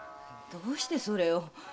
どうしてそれを。